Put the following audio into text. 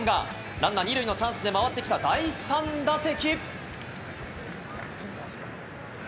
ランナー２塁のチャンスで回ってきた第３打席。